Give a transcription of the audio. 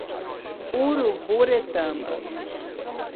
Uruburetama